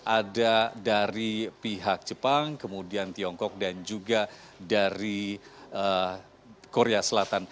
ada dari pihak jepang kemudian tiongkok dan juga dari korea selatan